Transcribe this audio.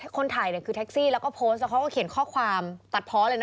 คนถ่ายแท็กซี่แล้วก็โพส